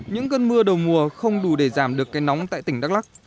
những cơn mưa đầu mùa không đủ để giảm được cái nóng tại tỉnh đắk lắc